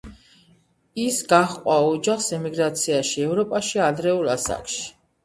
ის გაჰყვა ოჯახს ემიგრაციაში ევროპაში ადრეულ ასაკში.